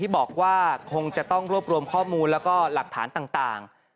บอกว่าคงจะต้องรวบรวมข้อมูลแล้วก็หลักฐานต่าง